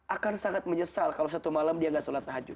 akan sangat menyesal kalau satu malam dia gak sholat tahajud